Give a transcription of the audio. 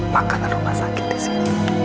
makanan rumah sakit disini